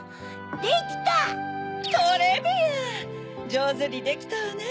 じょうずにできたわね